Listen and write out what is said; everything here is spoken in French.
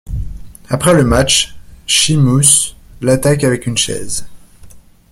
Après le match, Sheamus l'attaque avec une chaise.